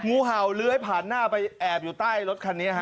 งูเห่าเลื้อยผ่านหน้าไปแอบอยู่ใต้รถคันนี้ฮะ